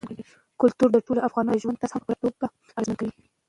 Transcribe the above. کلتور د ټولو افغانانو د ژوند طرز هم په پوره توګه اغېزمنوي.